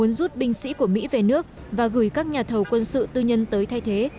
ông trump lại muốn rút binh sĩ của mỹ về nước và gửi các nhà thầu quân sự tư nhân tới thay thế